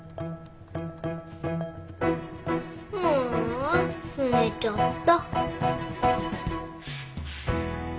ああすねちゃった。